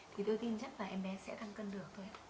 thì tôi tin chắc là em bé sẽ thăm cân được thôi